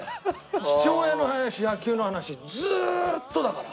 父親の話野球の話ずーっとだから。